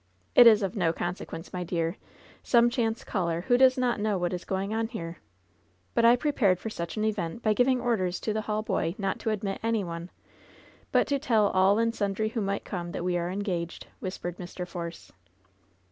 "It is of no consequence, my dear. Some chance caller, who does not know what is going on here. But I prepared for such an event by giving orders to the hall boy not to admit any one, but to tell all and sundry who might come that we are engaged," whispered Mr. Force.